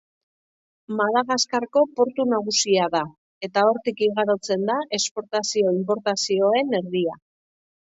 Madagaskarko portu nagusia da, eta hortik igarotzen da esportazio-inportazioen erdia.